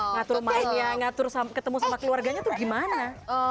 ngatur mainnya ngatur ketemu sama keluarganya tuh gimana